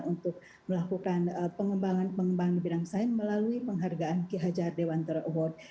untuk melakukan pengembangan pengembangan di bidang sains melalui penghargaan ki hajar dewantara award